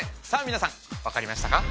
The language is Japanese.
皆さん分かりましたか？